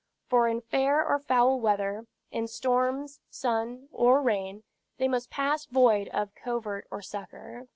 For in fair or foul weather, in storms, sun, or rain, they must pass void of covert or succor."